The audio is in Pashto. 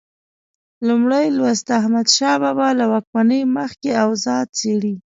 لومړی لوست د احمدشاه بابا له واکمنۍ مخکې اوضاع څېړي.